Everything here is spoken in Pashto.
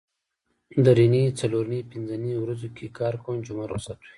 درېنۍ څلورنۍ پینځنۍ ورځو کې کار کوم جمعه روخصت وي